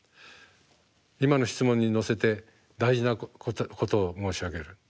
今の質問にのせて大事なことを申し上げる。